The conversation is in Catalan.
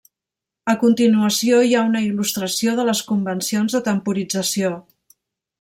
A continuació, hi ha una il·lustració de les convencions de temporització.